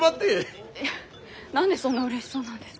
いや何でそんなうれしそうなんですか？